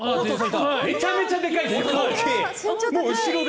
めちゃめちゃでかいですね。